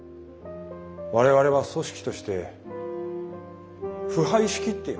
我々は組織として腐敗しきっています。